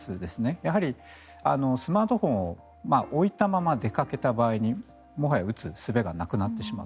やはりスマートフォンを置いたまま出かけた場合にもはや打つすべがなくなってしまう。